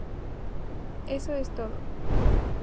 Eso es todo.